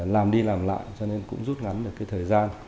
làm đi làm lại cho nên cũng rút ngắn được cái thời gian